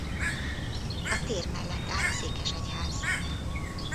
A tér mellett áll a székesegyház.